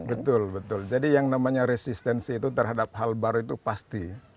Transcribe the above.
betul betul jadi yang namanya resistensi itu terhadap hal baru itu pasti